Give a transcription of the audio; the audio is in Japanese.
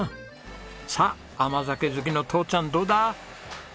さあ甘酒好きの父ちゃんどうだ？